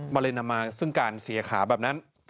มันเลยนำมาซึ่งการเสียขาแบบนั้น